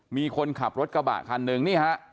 มีคนขับรถกระบะคันหนึ่งนี่ฮะ